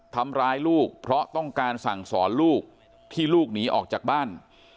ทำร้ายลูกเพราะต้องการสั่งสอนลูกที่ลูกหนีออกจากบ้าน